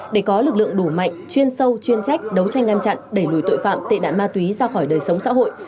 để có lực lượng đủ mạnh chuyên sâu chuyên trách đấu tranh ngăn chặn đẩy lùi tội phạm tệ nạn ma túy ra khỏi đời sống xã hội